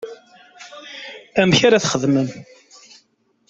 Amek ara texdem?